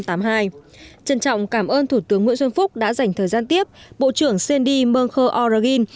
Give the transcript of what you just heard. trân trọng cảm ơn thủ tướng nguyễn xuân phúc đã dành thời gian tiếp bộ trưởng sandy munger oragin